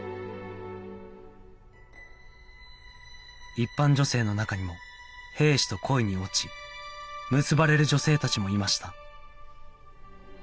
一般女性の中にも兵士と恋に落ち結ばれる女性たちもいました